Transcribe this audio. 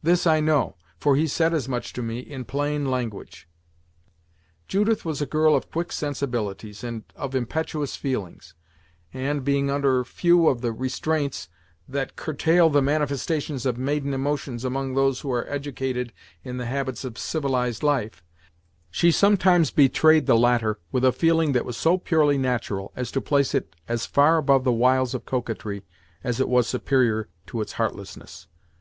This I know, for he said as much to me, in plain language." Judith was a girl of quick sensibilities and of impetuous feelings; and, being under few of the restraints that curtail the manifestations of maiden emotions among those who are educated in the habits of civilized life, she sometimes betrayed the latter with a feeling that was so purely natural as to place it as far above the wiles of coquetry as it was superior to its heartlessness.